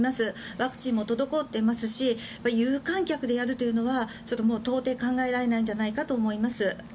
ワクチンも滞っていますし有観客でやるというのは到底考えられないんじゃないかと思います。